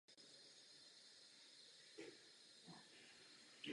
Mince je dnes v podstatě pouze „kovová bankovka“.